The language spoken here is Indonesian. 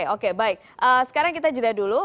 oke baik sekarang kita jeda dulu